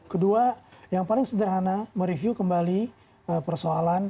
kedua yang paling sederhana mereview kembali persoalan